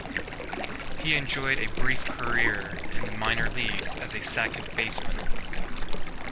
He enjoyed a brief career in the minor leagues as a second baseman.